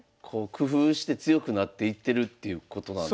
工夫して強くなっていってるっていうことなんですね。